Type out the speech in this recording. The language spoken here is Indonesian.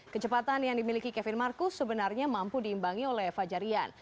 kecepatan yang dimiliki kevin marcus sebenarnya mampu diimbangi oleh fajarian